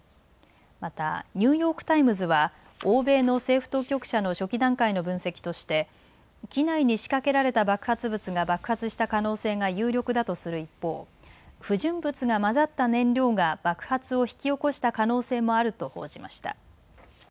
またニューヨーク・タイムズは欧米の政府当局者の初期段階の分析として機内に仕掛けられた爆発物が爆発した可能性が有力だとする一方、不純物が混ざった燃料が爆発を引き起こした可能性もあると報じました。